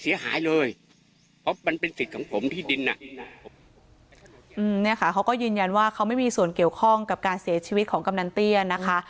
เขามึงมีส่วนเกี่ยวข้องการเสียชีวิตของกำหนังเตี้ยนะคะ